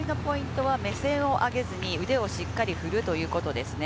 目線を上げずに腕をしっかり振るということですね。